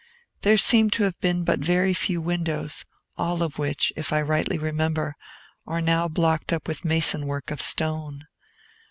There seem to have been but very few windows, all of which, if I rightly remember, are now blocked up with mason work of stone.